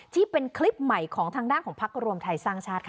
ที่เป็นคลิปใหม่ของทางด้านของพักรวมไทยสร้างชาติค่ะ